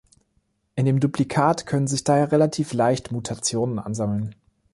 In dem Duplikat können sich daher relativ leicht Mutationen ansammeln.